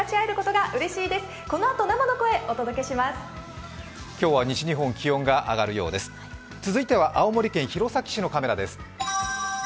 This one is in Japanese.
続きまして、青森県弘前市のカメラです。